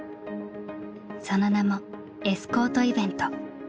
その名も「エスコートイベント」。